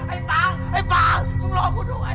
ไอ้ปังไอ้ปังมึงรอกูทุกวัน